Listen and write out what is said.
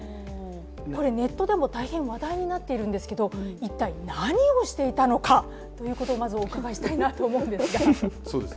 これ、ネットでも大変話題になっているんですけど一体、何をしていたのかということをお伺いしたいんですが。